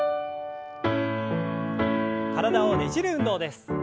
体をねじる運動です。